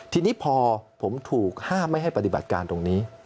ทีนี้พอผมถูกห้ามไม่ให้ปฏิบัติการตรงนี้